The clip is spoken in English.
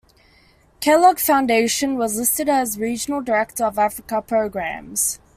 Kellogg Foundation was listed as, "Regional Director of Africa Programs".